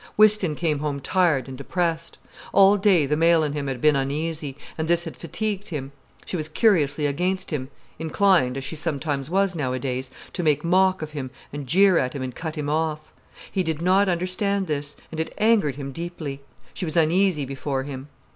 Whiston came home tired and depressed. All day the male in him had been uneasy, and this had fatigued him. She was curiously against him, inclined, as she sometimes was nowadays, to make mock of him and jeer at him and cut him off. He did not understand this, and it angered him deeply. She was uneasy before him.